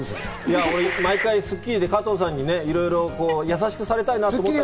毎回『スッキリ』で俺、加藤さんに優しくされたいなって。